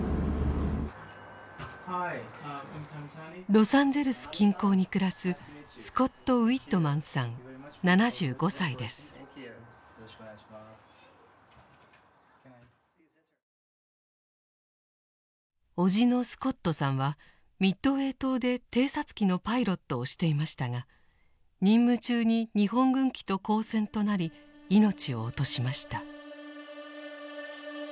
ロサンゼルス近郊に暮らす叔父のスコットさんはミッドウェー島で偵察機のパイロットをしていましたが任務中に日本軍機と交戦となり命を落としました。